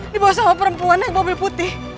dibawa sama perempuan naik mobil putih